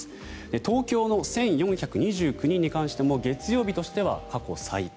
東京の１４２９人に関しても月曜日としては過去最多。